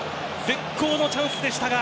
絶好のチャンスでしたが。